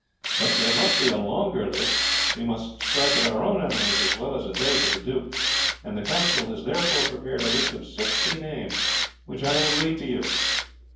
But there must be a longer list, we must strike at our own enemies as well as at those of the duke, and the council has therefore prepared a list of sixty names, which I will read to you."